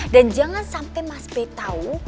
dan jangan sampai mas pei tahu